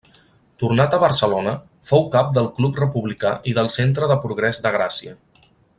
Tornat a Barcelona, fou cap del Club Republicà i del Centre de Progrés de Gràcia.